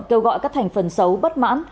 kêu gọi các thành phần xấu bất mãn